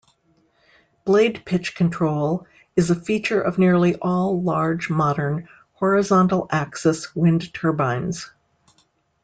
Blade pitch control is a feature of nearly all large modern horizontal-axis wind turbines.